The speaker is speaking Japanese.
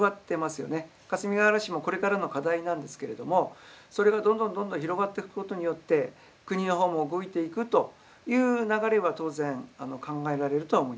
かすみがうら市もこれからの課題なんですけれどもそれがどんどんどんどん広がっていくことによって国の方も動いていくという流れは当然考えられるとは思います。